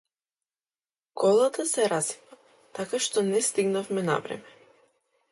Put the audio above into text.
Колата се расипа така што не стигнавме на време.